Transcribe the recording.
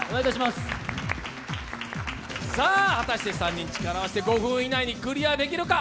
果たして３人力を合わせて５分以内にクリアできるか。